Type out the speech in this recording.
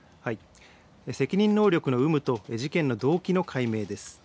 責任能力の有無と事件の動機の解明です。